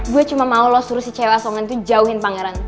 gue cuma mau lo suruh si cewek asongan itu jauhin pangeran